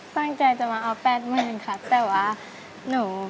สร้างใจจะมาเอา๘๐๐๐คันแต่ว่าหนู